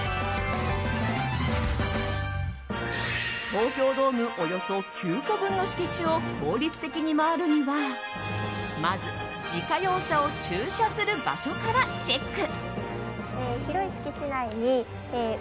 東京ドームおよそ９個分の敷地を効率的に回るにはまず自家用車を駐車する場所からチェック。